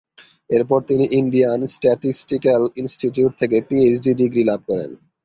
এরপর তিনি Indian Statistical Institute থেকে পিএইচডি ডিগ্রি লাভ করেন।